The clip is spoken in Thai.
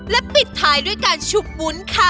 และปิดท้ายด้วยการฉุบวุ้นค่ะ